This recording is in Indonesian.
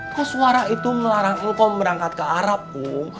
koswara itu melarang engkong berangkat ke arab kum